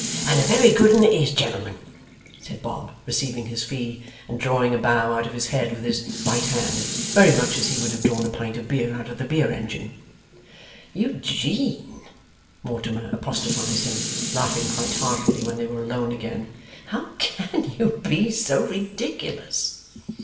'And a very good 'un it is, gentlemen,' said Bob, receiving his fee, and drawing a bow out of his head with his right hand, very much as he would have drawn a pint of beer out of the beer engine. 'Eugene,' Mortimer apostrophized him, laughing quite heartily when they were alone again, 'how CAN you be so ridiculous?